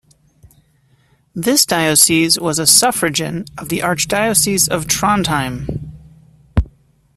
This diocese was a suffragan of the archdiocese of Trondheim.